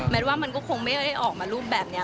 ว่ามันก็คงไม่ได้ออกมารูปแบบนี้